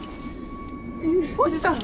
おじさん！